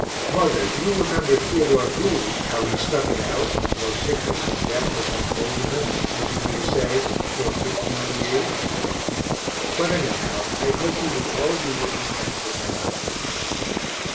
(Mother, you remember Theodore Gould, how he stuck it out, though sickness and death has had hold of him, as you may say, for fifteen years.) But anyhow, I hope we will all do what we can for Andrew.